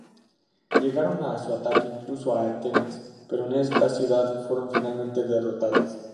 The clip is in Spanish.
Llegaron en su ataque incluso a Atenas, pero en esta ciudad fueron finalmente derrotadas.